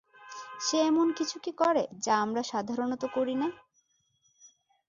সে এমন কিছু কি করে, যা আমরা সাধারণত করি না?